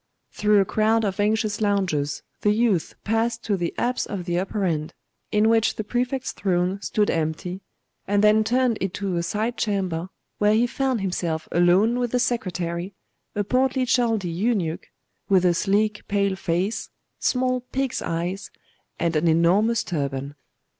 Through a crowd of anxious loungers the youth passed to the apse of the upper end, in which the Prefect's throne stood empty, and then turned into aside chamber, where he found himself alone with the secretary, a portly Chaldee eunuch, with a sleek pale face, small pig's eyes, and an enormous turban.